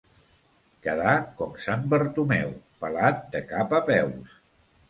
Quedar com sant Bartomeu: pelat de cap a peus.